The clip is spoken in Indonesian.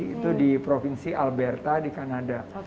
itu di provinsi alberta di kanada